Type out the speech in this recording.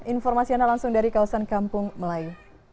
informasional langsung dari kawasan kampung melayu